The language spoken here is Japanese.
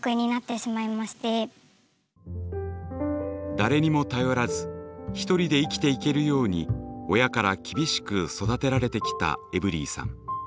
誰にも頼らず１人で生きていけるように親から厳しく育てられてきたエブリィさん。